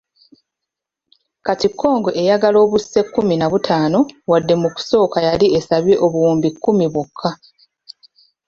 Kati Congo eyagala obuse kkumi na butaano wadde mu kusooka yali esabye obuwumbi kkumi bwokka.